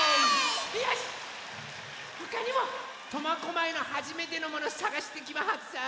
よしほかにも苫小牧のはじめてのものさがしてきます！